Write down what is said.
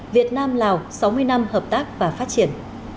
việt nam lào sáu mươi năm hợp tác và phát triển